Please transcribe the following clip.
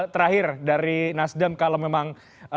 terakhir dari nasdem kalau memang